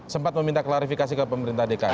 sempat meminta klarifikasi ke pemerintah dki